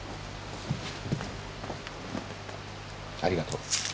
ありがとう。